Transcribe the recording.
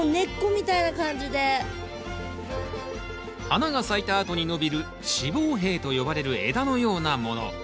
花が咲いたあとに伸びる子房柄と呼ばれる枝のようなもの。